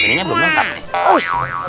ini belum lengkap nih